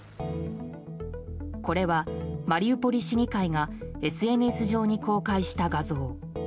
これはマリウポリ市議会がＳＮＳ上に公開した画像。